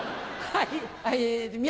はい。